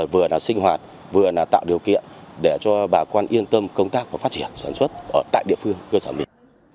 vừa là sinh hoạt vừa là tạo điều kiện để cho bà con yên tâm công tác và phát triển sản xuất ở tại địa phương cơ sở mình